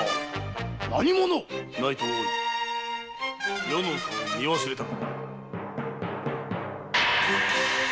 何者⁉内藤大炊余の顔を見忘れたか。